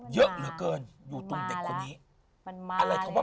เยอะเหลือเกินอยู่ตัวแก่คนนี้